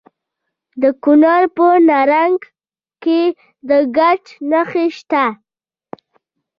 د کونړ په نرنګ کې د ګچ نښې شته.